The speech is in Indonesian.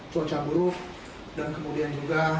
cuaca buruk dan kemudian juga